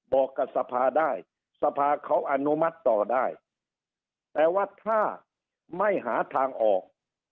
บอกกับสภาได้สภาเขาอนุมัติต่อได้แต่ว่าถ้าไม่หาทางออก